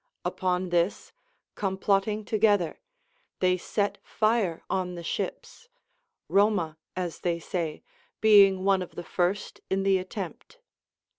Upon this, complotting together, they set fire on the ships, Roma (as they say) being one of the fii'st in the attempt.